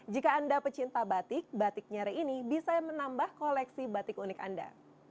jika anda pecinta batik batik nyere ini bisa menambah koleksi batik unik anda